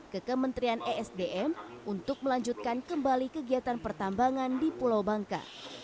ke kementerian esdm untuk melanjutkan kembali kegiatan pertambangan di pulau bangka